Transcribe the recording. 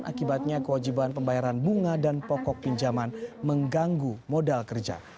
akibatnya kewajiban pembayaran bunga dan pokok pinjaman mengganggu modal kerja